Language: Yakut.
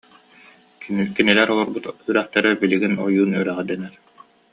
Кинилэр олорбут үрэхтэрэ билигин Ойуун Үрэҕэ дэнэр